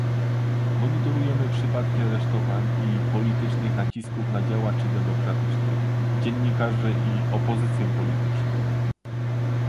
Monitorujemy przypadki aresztowań i politycznych nacisków na działaczy demokratycznych, dziennikarzy i opozycję polityczną